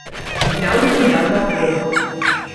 Узяўся я за прозу.